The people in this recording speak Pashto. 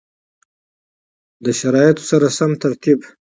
له شرایطو سره سم ترتیب کړي